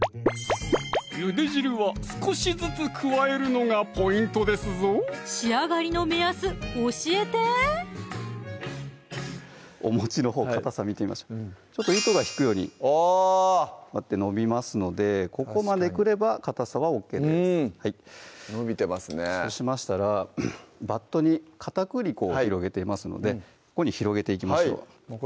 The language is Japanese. ゆで汁は少しずつ加えるのがポイントですぞ仕上がりの目安教えておもちのほうかたさ見てみましょうちょっと糸がひくようにこうやって伸びますのでここまでくればかたさはＯＫです伸びてますねそうしましたらバットに片栗粉を広げてますのでここに広げていきましょう